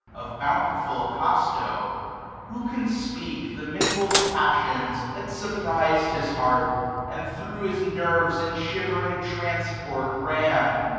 Of bountiful Acasto j who can speak 2^^ The mingled passions that surprized his heart. And thro' his nerves in shivering transport ran